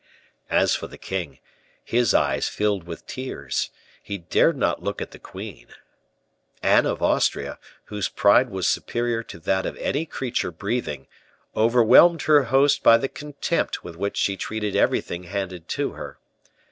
As for the king, his eyes filled with tears; he dared not look at the queen. Anne of Austria, whose pride was superior to that of any creature breathing, overwhelmed her host by the contempt with which she treated everything handed to her.